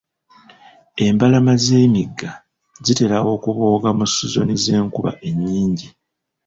Embalama z'emigga zitera okubooga mu sizoni z'enkuba ennyingi .